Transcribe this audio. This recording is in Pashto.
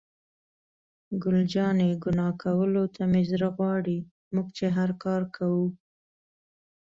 ګل جانې: ګناه کولو ته مې زړه غواړي، موږ چې هر کار کوو.